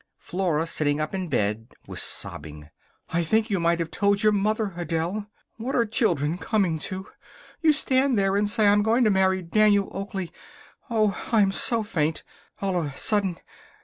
Flora, sitting up in bed, was sobbing. "I think you might have told your mother, Adele. What are children coming to! You stand there and say, 'I'm going to marry Daniel Oakley.' Oh, I am so faint ... all of a sudden